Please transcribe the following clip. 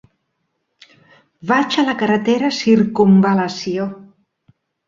Vaig a la carretera Circumval·lació.